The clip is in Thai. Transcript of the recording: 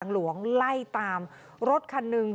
หลวงไล่ตามรถคันหนึ่ง